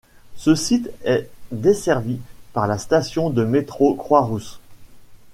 Ce site est desservi par la station de métro Croix-Rousse.